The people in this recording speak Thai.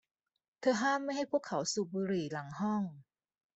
เธอห้ามไม่ให้พวกเขาสูบบุหรี่หลังห้อง